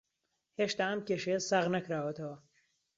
هێشتا ئەم کێشەیە ساغ نەکراوەتەوە